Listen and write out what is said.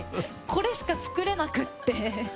これしか作れなくて。